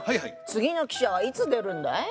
次の汽車はいつ出るんだい？